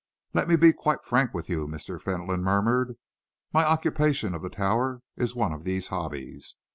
"Let me be quite frank with you," Mr. Fentolin murmured. "My occupation of the Tower is one of these hobbies.